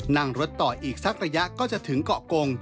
นั่งรถต่ออีกสักระยะก็จะถึงเกาะกง